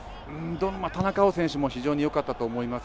田中碧選手も非常に良かったと思います。